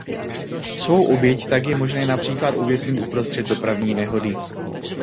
Svou oběť tak je možné například uvěznit uprostřed dopravní nehody.